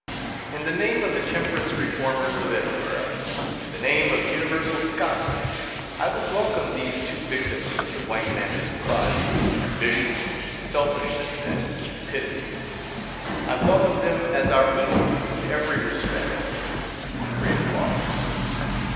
In the name of the Temperance reformers of Edinburgh in the name of universal Scotland, I would welcome these two victims of the white man's pride, ambition, selfishness, and cupidity. I welcome them as our equals in every respect. (Great applause.)